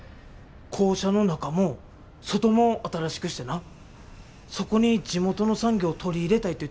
校舎の中も外も新しくしてなそこに地元の産業取り入れたいって言って。